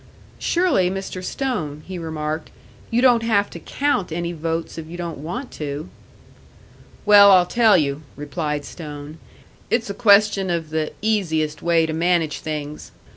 "Surely, Mr. Stone," he remarked, "you don't have to count any votes if you don't want to!" "Well, I'll tell you," replied Stone; "it's a question of the easiest way to manage things.